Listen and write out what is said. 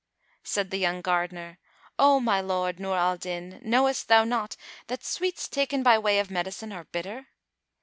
Said the young gardener, "O my lord Nur al Din, knowest thou not that sweets taken by way of medicine are bitter?